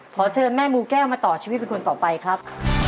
ขอเชิญแม่มูแก้วมาต่อชีวิตเป็นคนต่อไปครับ